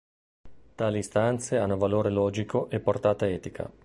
Tali istanze hanno valore logico e portata etica.